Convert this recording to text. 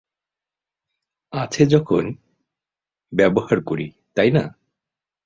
আছে যখন, ব্যবহার করি, তাই না?